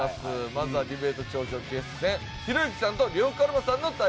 まずはディベート頂上決戦ひろゆきさんと呂布カルマさんの対決です。